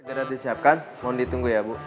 segera disiapkan mondi tunggu ya bu